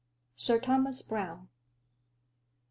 SIR THOMAS BROWNE.